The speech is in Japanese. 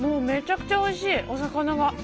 めちゃくちゃおいしいお魚が。